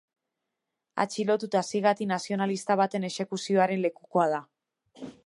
Atxilotu eta ziegatik nazionalista baten exekuzioaren lekukoa da.